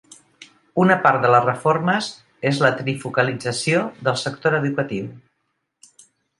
Una part de les reformes és la trifocalització del sector educatiu.